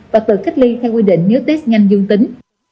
và tự kết li theo quy định nếu test nhanh dương tính